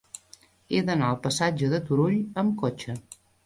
He d'anar al passatge de Turull amb cotxe.